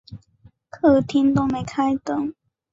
客厅都没开灯